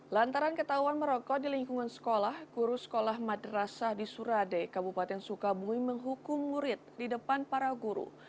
lantaran ketahuan merokok di lingkungan sekolah guru sekolah madrasah di surade kabupaten sukabumi menghukum murid di depan para guru